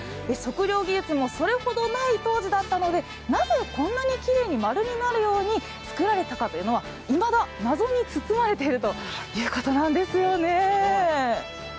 測量技術もそれほどない当時だったのでなぜこんなにきれいに丸になるように造られたかというのはいまだ、謎に包まれているということなんですよね。